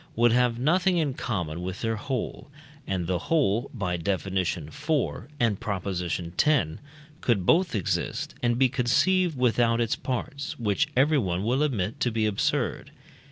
would have nothing in common with their whole, and the whole (by Def. iv. and Prop. x.) could both exist and be conceived without its parts, which everyone will admit to be absurd.